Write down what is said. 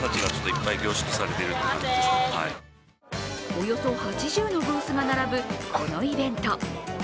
およそ８０のブースが並ぶこのイベント。